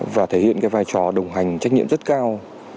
và thể hiện cái vai trò đồng hành trách nhiệm rất cao